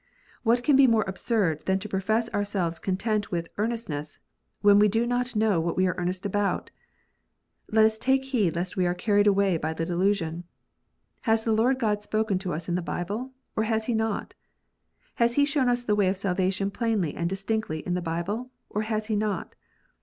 What can be more absurd than to profess ourselves content with " earnestness," when we do not know what we are earnest about ? Let us take heed lest we are carried away by the delusion. Has the Lord God spoken to us in the Bible, or has He not 1 Has He shown us the way of salvation plainly and distinctly in that Bible, or has He not